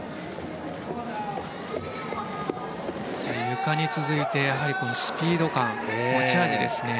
ゆかに続いてスピード感持ち味ですね。